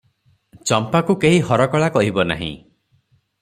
ଚମ୍ପାକୁ କେହି ହରକଳା କହିବ ନାହିଁ ।"